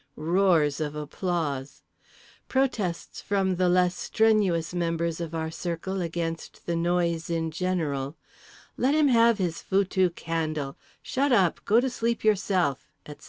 Roars of applause. Protests from the less strenuous members of our circle against the noise in general: Let him have his foutue candle, Shut up, Go to sleep yourself, etc.